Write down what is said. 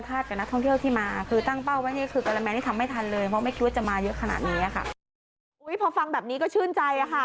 พอฟังแบบนี้ก็ชื่นใจค่ะ